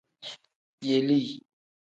Yelii.